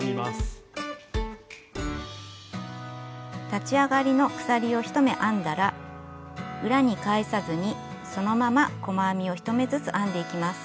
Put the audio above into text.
立ち上がりの鎖を１目編んだら裏に返さずにそのまま細編みを１目ずつ編んでいきます。